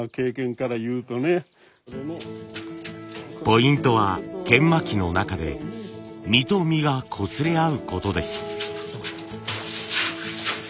ポイントは研磨機の中で実と実がこすれ合うことです。